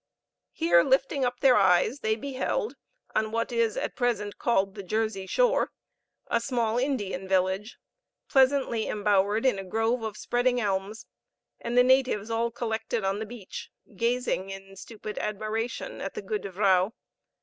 Here lifting up their eyes they beheld, on what is at present called the Jersey shore, a small Indian village, pleasantly embowered in a grove of spreading elms, and the natives all collected on the beach, gazing in stupid admiration at the Goede Vrouw.